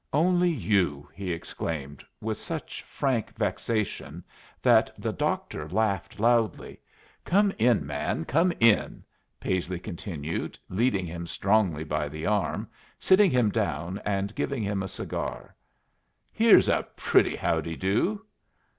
"Only you!" he exclaimed, with such frank vexation that the doctor laughed loudly. "Come in, man, come in," Paisley continued, leading him strongly by the arm, sitting him down, and giving him a cigar. "Here's a pretty how de do!"